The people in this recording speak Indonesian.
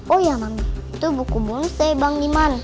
oh iya mami itu buku bonus dari bang diman